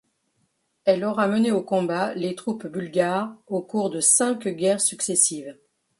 Elle aura mené au combat les troupes bulgares au cours de cinq guerres successives.